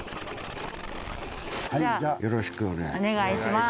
はいじゃよろしくお願いします